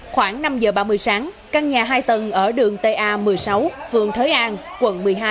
khoảng năm giờ ba mươi sáng căn nhà hai tầng ở đường ta a một mươi sáu phường thới an quận một mươi hai